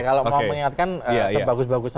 kalau mau mengingatkan sebagus bagusnya